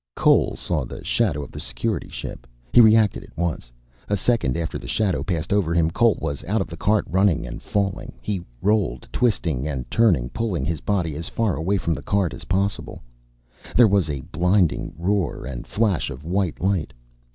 Cole saw the shadow of the Security ship. He reacted at once. A second after the shadow passed over him, Cole was out of the cart, running and falling. He rolled, twisting and turning, pulling his body as far away from the cart as possible. There was a blinding roar and flash of white light.